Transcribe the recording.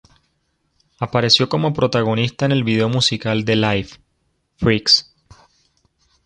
Apareció como protagonista en el video musical de Live, "Freaks".